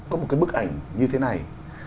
có một cái bức ảnh như thế này